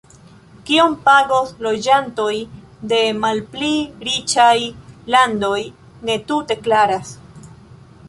Kiom pagos loĝantoj de malpli riĉaj landoj ne tute klaras.